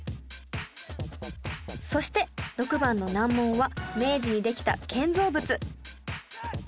そして６番の難問は明治にできた建造物